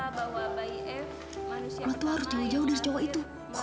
lu tuh harus jauh jauh dari cowok itu